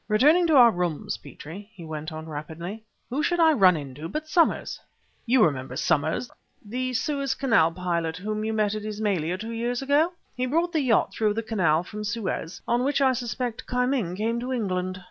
"Returning to our rooms, Petrie," he went on rapidly, "who should I run into but Summers! You remember Summers, the Suez Canal pilot whom you met at Ismailia two years ago? He brought the yacht through the Canal, from Suez, on which I suspect Ki Ming came to England.